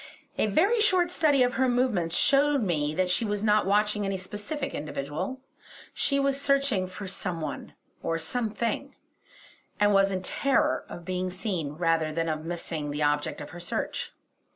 A very short study of her movements showed me that she was not watching any specific individual. She was searching for some one, or some thing; and was in terror of being seen, rather than of missing the object of her search.